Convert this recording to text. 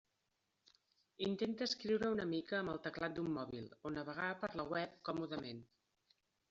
Intenta escriure una mica amb el teclat d'un mòbil, o navegar per la web còmodament.